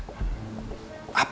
apapun yang raya inginkan